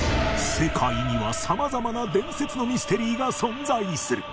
世界には様々な伝説のミステリーが存在する